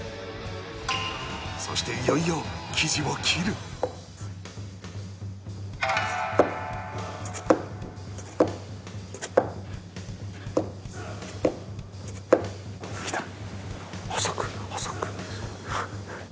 そしていよいよ生地を切るきた。